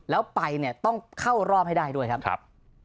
แล้วไปเนี่ยต้องเข้ารอบให้ได้ด้วยครับ